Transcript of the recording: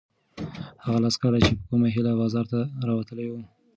هغه لس کسان چې په کومه هیله بازار ته راوتلي وو؟